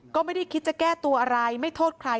ก็ไม่ได้คิดจะแก้ตัวอะไรไม่โทษใคร